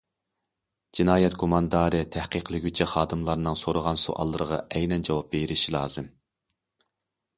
جىنايەت گۇماندارى تەھقىقلىگۈچى خادىملارنىڭ سورىغان سوئاللىرىغا ئەينەن جاۋاب بېرىشى لازىم.